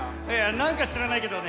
何か知らないけどね